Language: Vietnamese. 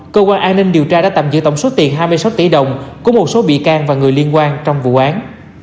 cơ quan an ninh điều tra đã tạm giữ tổng số tiền hai mươi sáu tỷ đồng của một số bị can và người liên quan trong vụ án